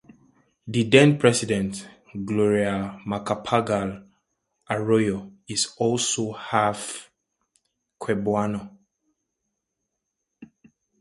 The then-president Gloria Macapagal Arroyo is also half Cebuano.